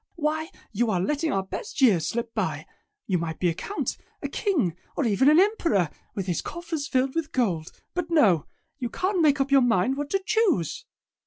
Why you are letting our best years slip by. You might be a count, a king, or even an emperor, with his coffers filled with gold. But no! You can't make up your mind what to choose!"